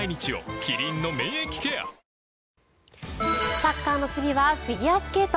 サッカーの次はフィギュアスケート。